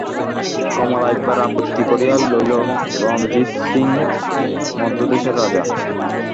কমলা একবার আবৃত্তি করিয়া লইল, রণজিৎ সিং, মদ্রদেশের রাজা।